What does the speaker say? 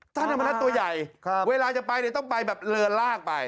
ท่านธรรมนัฐตัวใหญ่เวลาจะไปเนี่ยต้องไปแบบเลอลากไป